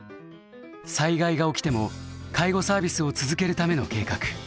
災害が起きても介護サービスを続けるための計画。